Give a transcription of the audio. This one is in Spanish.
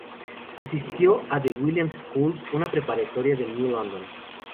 Asistió a The Williams School, una preparatoria de New London.